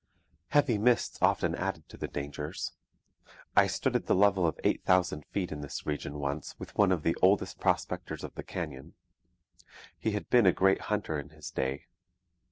Heavy mists often added to the dangers. I stood at the level of eight thousand feet in this region once with one of the oldest prospectors of the canyon. He had been a great hunter in his day.